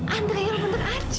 andre yang benar aja